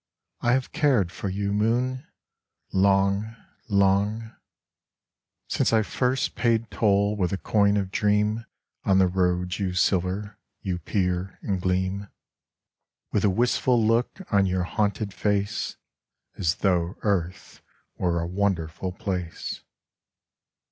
I have cared for you, Moon, Long, long, Since I first paid toll With a coin of dream On the road you silver. You peer and gleam 67 / Have Cared for You, Moon With a wistful look On your haunted face, As though Earth were A wonderful place.